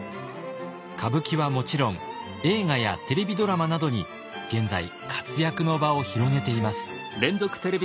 歌舞伎はもちろん映画やテレビドラマなどに現在活躍の場を広げています。